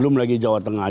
belum lagi jawa tengah